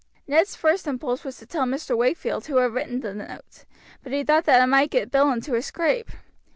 Ned's first impulse was to tell Mr. Wakefield who had written the note, but he thought that it might get Bill into a scrape.